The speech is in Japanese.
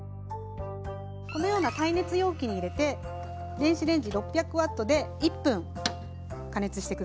このような耐熱容器に入れて電子レンジ６００Ｗで１分加熱してください。